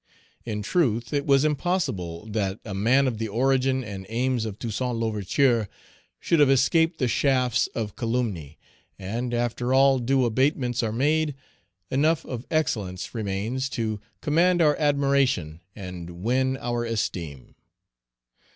In truth, it was impossible that a man of the origin and aims of Toussaint L'Ouverture should have escaped the shafts of calumny, and, after all due abatements are made, enough of excellence remains to command our admiration and win our esteem.